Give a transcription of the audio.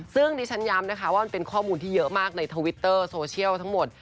ซึ่งดิฉันย้ำนะคะว่ามันเป็นข้อมูลที่เยอะมากในทวิตเตอร์โซเชียลทั้งหมด